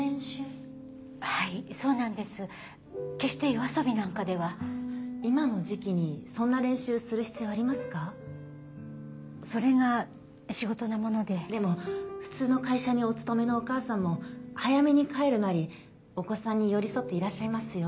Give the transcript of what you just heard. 決して夜遊びなんかでは今の時期にそんな練習する必要ありまそれが仕事なものででも普通の会社にお勤めのお母さんも早めに帰るなりお子さんに寄り添っていらっしゃいますよ